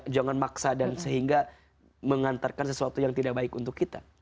jangan maksa dan sehingga mengantarkan sesuatu yang tidak baik untuk kita